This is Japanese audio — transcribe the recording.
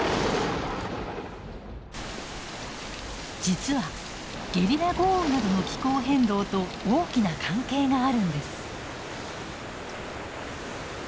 実はゲリラ豪雨などの気候変動と大きな関係があるんです。